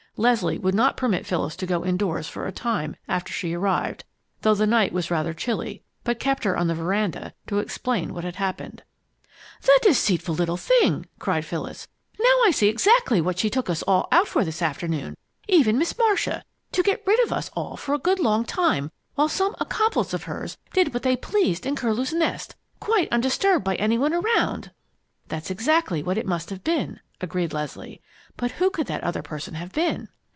Leslie would not permit Phyllis to go indoors for a time after she arrived, though the night was rather chilly, but kept her on the veranda to explain what had happened. "The deceitful little thing!" cried Phyllis. "Now I see exactly what she took us all out for this afternoon, even Miss Marcia to get rid of us all for a good long time while some accomplice of hers did what they pleased in Curlew's Nest, quite undisturbed by any one around!" "That's exactly what it must have been," agreed Leslie. "But who could that other person have been?"